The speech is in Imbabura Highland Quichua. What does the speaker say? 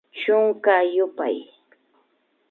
Chunka yupay